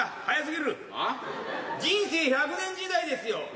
はあ？人生１００年時代ですよ。